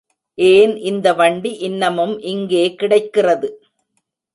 ஏன் இந்த வண்டி இன்னமும் இங்கே கிடைக்கிறது?